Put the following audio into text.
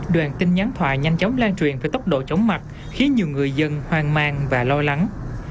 đoàn tin nhắn thoại nhanh chóng lan truyền về tốc độ chóng mặt khiến nhiều người dân hoang mang và lo lắng